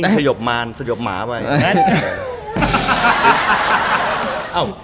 ซะหยกบหมาเว้ย